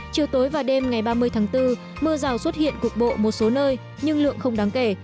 chiều tối và đêm ngày ba mươi tháng bốn mưa rào xuất hiện cục bộ một số nơi nhưng lượng không đáng kể